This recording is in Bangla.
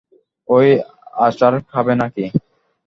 এই, আচার খাবে নাকি?